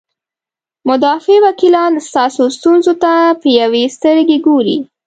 مدافع وکیلان ستاسو ستونزو ته په یوې سترګې ګوري.